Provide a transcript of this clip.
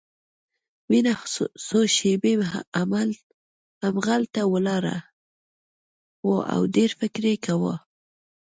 مينه څو شېبې همهغلته ولاړه وه او ډېر فکر يې کاوه.